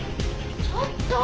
ちょっと！